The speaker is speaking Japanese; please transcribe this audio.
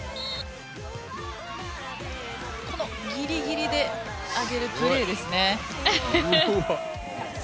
このギリギリで上げるプレーですね。